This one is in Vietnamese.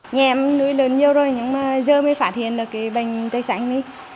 nghe em nuôi lợn nhiều rồi nhưng giờ mới phát hiện bệnh tai xanh